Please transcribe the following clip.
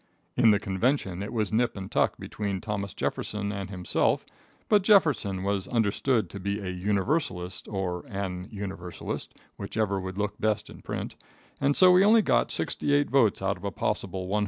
In the convention it was nip and tuck between Thomas Jefferson and himself, but Jefferson was understood to be a Universalist, or an Universalist, whichever would look the best in print, and so he only got 68 votes out of a possible 139.